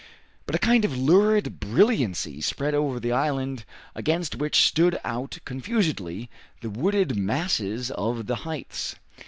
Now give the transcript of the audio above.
But a kind of lurid brilliancy spread over the island, against which stood out confusedly the wooded masses of the heights.